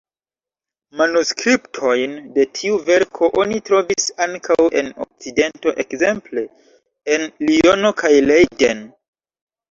Manuskriptojn de tiu verko oni trovis ankaŭ en Okcidento, ekzemple en Liono kaj Leiden.